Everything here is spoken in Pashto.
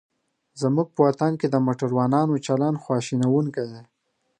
زموږ په وطن کې د موټروانانو چلند خواشینوونکی دی.